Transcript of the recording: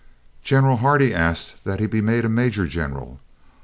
General Hardie asked that he be made a Major General.